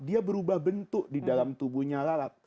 dia berubah bentuk di dalam tubuhnya lalat